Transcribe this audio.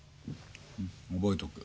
うん覚えとく。